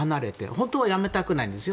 本当はやめたくないんですよ